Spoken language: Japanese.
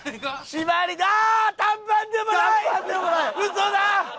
嘘だ！